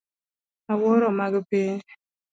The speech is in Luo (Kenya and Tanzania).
Awuoro mag piny